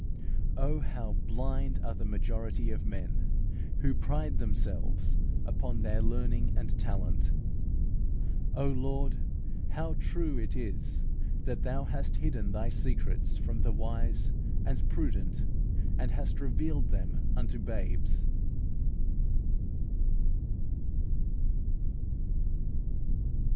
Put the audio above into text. Oh, how blind are the majority of men, who pride themselves upon their learning and talent! O Lord! how true it is that Thou hast hidden Thy secrets from the wise and prudent, and hast revealed them unto babes!